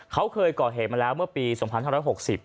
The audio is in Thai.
เขาเคยก่อเหตุมาแล้วเมื่อปีสองพันห้าร้อยหกสิบ